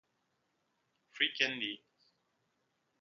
Free candy.